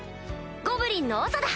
ゴブリンのおさだ！